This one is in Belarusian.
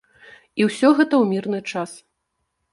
І ўсё гэта ў мірны час.